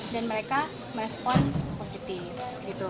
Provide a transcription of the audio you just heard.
dan mereka menjawab positif gitu